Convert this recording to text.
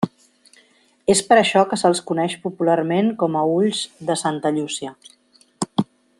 És per això que se'ls coneix popularment com a ulls de Santa Llúcia.